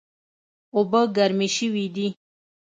اوبه ګرمې شوې دي